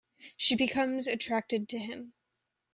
She becomes attracted to him.